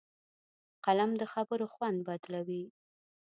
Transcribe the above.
قلم د خبرو خوند بدلوي